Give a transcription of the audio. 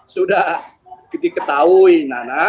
sudah diketahui nana